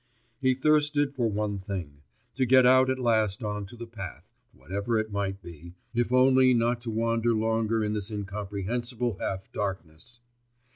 He thirsted for one thing; to get out at last on to the path, whatever it might be, if only not to wander longer in this incomprehensible half darkness.